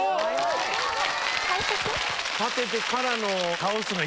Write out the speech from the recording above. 立ててからの。